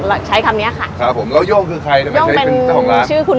ประกาศรายชื่อพศ๒๕๖๑